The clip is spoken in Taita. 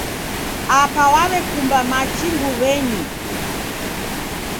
Apa waw'ekumba machi mbuw'enyi.